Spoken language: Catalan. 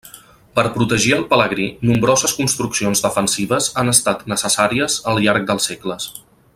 Per protegir al pelegrí, nombroses construccions defensives han estat necessàries al llarg dels segles.